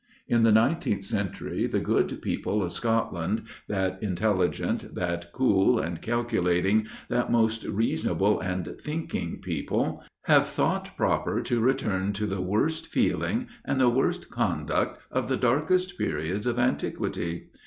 In the 19th century, the good people of Scotland, that intelligent, that cool and calculating, that most reasonable and thinking people, have thought proper to return to the worst feeling and the worst conduct of the darkest periods of antiquity.